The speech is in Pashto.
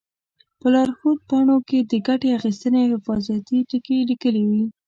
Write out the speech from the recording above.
په لارښود پاڼو کې د ګټې اخیستنې او حفاظتي ټکي لیکلي وي.